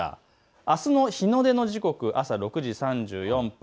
あすの日の出の時刻朝６時３４分。